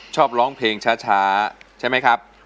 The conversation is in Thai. ชอบร้องเพลงช้าใช่ไหมครับ